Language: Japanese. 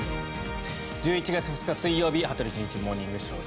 １１月２日、水曜日「羽鳥慎一モーニングショー」。